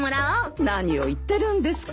何を言ってるんですか。